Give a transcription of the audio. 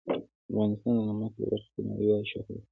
افغانستان د نمک په برخه کې نړیوال شهرت لري.